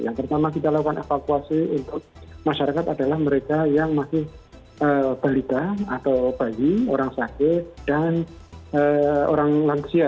yang pertama kita lakukan evakuasi untuk masyarakat adalah mereka yang masih balita atau bayi orang sakit dan orang lansia